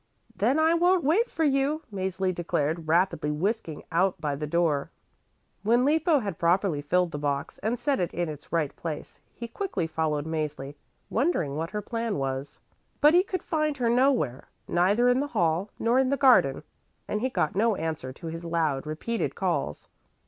"Then I won't wait for you," Mäzli declared, rapidly whisking out by the door. When Lippo had properly filled the box and set it in its right place, he quickly followed Mäzli, wondering what her plan was. But he could find her nowhere, neither in the hall nor in the garden, and he got no answer to his loud, repeated calls.